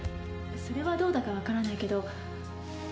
それはどうだかわからないけど。